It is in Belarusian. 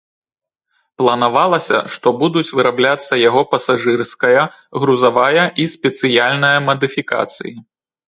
Планавалася, што будуць вырабляцца яго пасажырская, грузавая і спецыяльная мадыфікацыі.